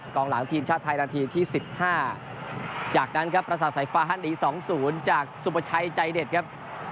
กลางหลังทีมชาติไทยนาทีที่๑๕จากนั้นครับประสาทสายฟ้าฮันดี๒๐จากสุประชัยใจเด็ดครับ